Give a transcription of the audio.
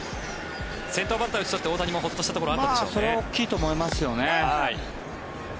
先頭バッターを打ち取って大谷も安心したところがそれは大きいと思います。